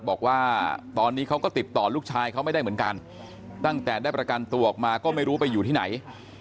บอกว่าตอนนี้เขาก็ติดต่อลูกชายเขาไม่ได้เหมือนกันตั้งแต่ได้ประกันตัวออกมาก็ไม่รู้ไปอยู่ที่ไหน